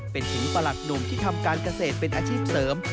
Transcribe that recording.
เป็นถึงประหลัดหนุ่มที่ทำการเกษตรเป็นอาชีพเสริม